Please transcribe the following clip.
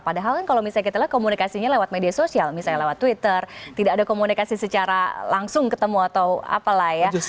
padahal kalau misalnya komunikasinya lewat media sosial misalnya lewat twitter tidak ada komunikasi secara langsung ketemu atau apalah